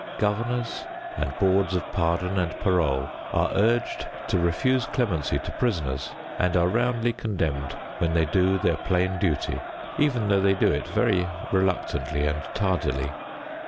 Governors and boards of pardon and parole are urged to refuse clemency to prisoners and are roundly condemned when they do their plain duty, even though they do it very reluctantly and tardily.